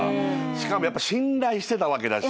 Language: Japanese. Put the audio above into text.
しかも信頼してたわけだし。